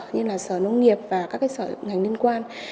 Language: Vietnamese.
như là sở nông nghiệp và các sở ngành liên quan